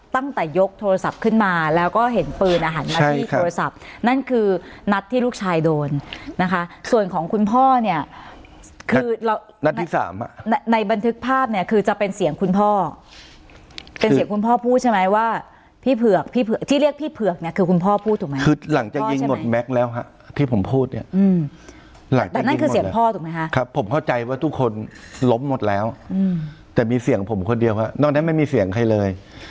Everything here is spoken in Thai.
ตั้งแต่ยกโทรศัพท์ขึ้นมาแล้วก็เห็นปืนอาหารที่โทรศัพท์นั่นคือนัดที่ลูกชายโดนนะคะส่วนของคุณพ่อเนี้ยคือเรานัดที่สามอ่ะในในบันทึกภาพเนี้ยคือจะเป็นเสียงคุณพ่อเป็นเสียงคุณพ่อพูดใช่ไหมว่าพี่เผือกพี่เผือกที่เรียกพี่เผือกเนี้ยคือคุณพ่อพูดถูกไหมคือหลังจากยิงงดแม็กซ์แล้ว